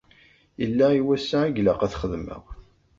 Yella i wassa i ilaq ad t-xedmeɣ.